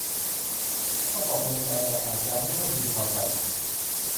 ต้องตกลงใจ แต่อาจยังไม่ค่อยพึงพอใจ